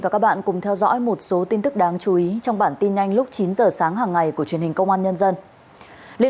cảm ơn các bạn đã theo dõi